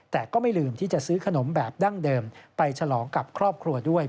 แต่ก็ไม่ลืมที่จะซื้อขนมแบบดั้งเดิมไปฉลองกับครอบครัวด้วย